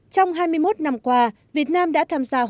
trong hai mươi một năm qua việt nam đã tham gia hội đồng chí